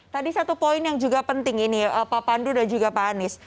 tadi satu poin yang juga penting ini pak pandu dan juga pak anies